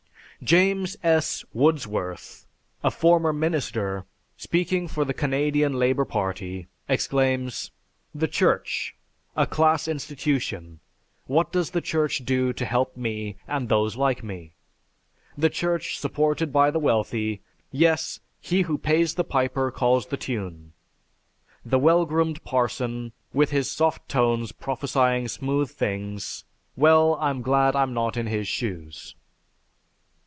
James S. Woodsworth, a former minister, speaking for the Canadian Labor Party, exclaims: "The Church a class institution what does the Church do to help me and those like me? The Church supported by the wealthy, yes, 'He who pays the piper calls the tune.' The well groomed parson, with his soft tones prophesying smooth things, well, I'm glad I'm not in his shoes!"